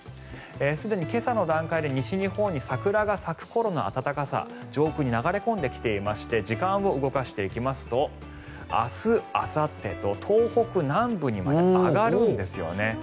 すでに今朝の段階で西日本に桜が咲く頃の暖かさが上空に流れ込んできていまして時間を動かしていきますと明日あさってと東北南部にまで上がるんですよね。